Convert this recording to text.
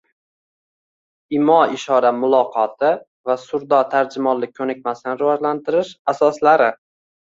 Imo-ishora muloqoti va surdo-tarjimonlik ko‘nikmasini rivojlantirish asoslari ng